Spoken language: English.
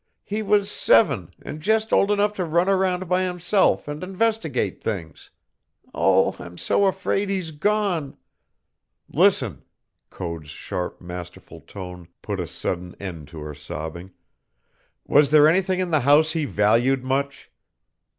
He was seven, and just old enough to run around by himself and investigate things. Oh, I'm so afraid he's gone " "Listen!" Code's sharp, masterful tone put a sudden end to her sobbing. "Was there anything in the house he valued much?"